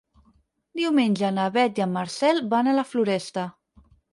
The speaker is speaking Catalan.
Diumenge na Beth i en Marcel van a la Floresta.